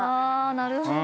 あなるほど。